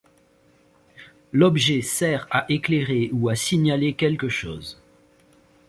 L'objet sert à éclairer ou à signaler quelque chose.